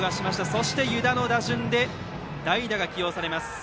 そして湯田の打順で代打が起用されます。